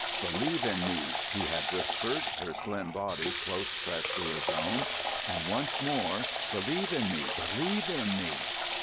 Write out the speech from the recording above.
"Believe in me," he had whispered, her slim body close pressed to his own; and once more "Believe in me, believe in me!"...